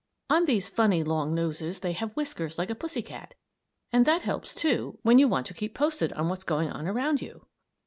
On these funny, long noses they have whiskers like a pussy cat; and that helps, too, when you want to keep posted on what's going on around you.